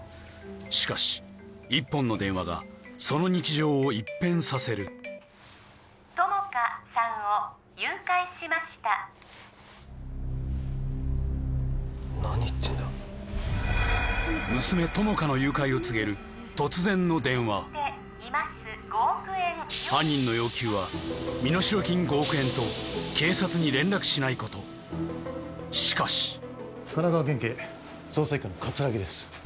しかし１本の電話がその日常を一変させる友果さんを誘拐しました何言ってんだ娘・友果の誘拐を告げる突然の電話犯人の要求は身代金５億円と警察に連絡しないことしかし神奈川県警捜査一課の葛城です